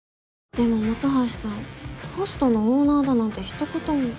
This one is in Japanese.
でも本橋さんホストのオーナーだなんてひと言も。